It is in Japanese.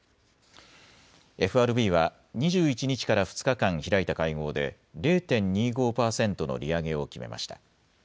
ＦＲＢは２１日から２日間開いた会合で０．２５％の利上げを決めました。